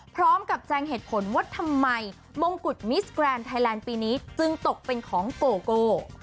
แจงเหตุผลว่าทำไมมงกุฎมิสแกรนด์ไทยแลนด์ปีนี้จึงตกเป็นของโกโก